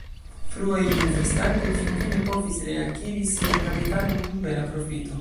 Fruaj investantoj finfine povis reakiri sian kapitalon kun bela profito.